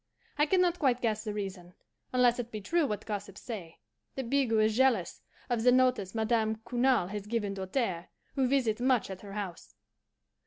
I can not quite guess the reason, unless it be true what gossips say, that Bigot is jealous of the notice Madame Cournal has given Doltaire, who visits much at her house.